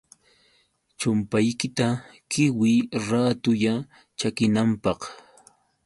chumpaykita qiwiy raatulla chakinanpaq.